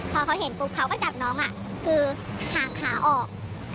พอเขาเห็นปุ๊บเขาก็จับน้องคือห่างขาออก